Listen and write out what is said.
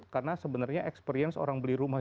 karena sebenarnya experience orang beli rumah